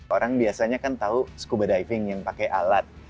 orang biasanya kan tahu skuba diving yang pakai alat